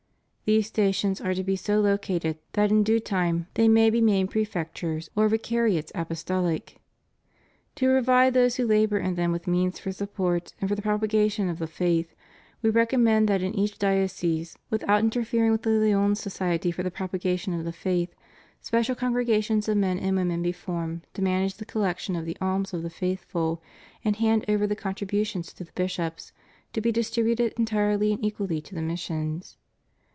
These stations are to be so located that in due time they may be made Prefectures or Vicariates Apostohc. To provide those who labor in them with means for support and for the propagation of the faith. We recommend that in each diocese, without interfering with the Lyons Society for the Propagation of the Faith, special congregations of men and women be formed to manage the collection of the alms of the faithful and hand over the contributions to the bishops, to be distributed entirely and equally to the missions.